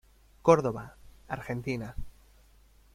Córdoba, Argentina.